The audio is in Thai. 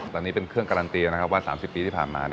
ตอนนี้เป็นเครื่องการันตีนะครับว่า๓๐ปีที่ผ่านมา